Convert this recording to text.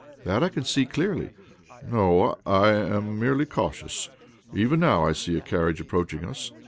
That I can see clearly." " No ; I am merely cautious. Even now I see a carriage approaching us.